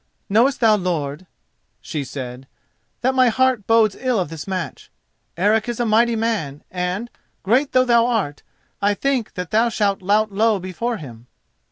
"Knowest thou, lord," she said, "that my heart bodes ill of this match? Eric is a mighty man, and, great though thou art, I think that thou shalt lout low before him."